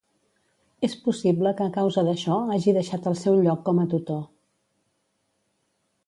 És possible que a causa d'això hagi deixat el seu lloc com a tutor.